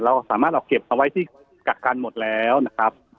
เราสามารถเอาเก็บเอาไว้ที่กักกันหมดแล้วนะครับ